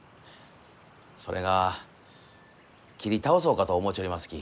それが切り倒そうかと思うちょりますき。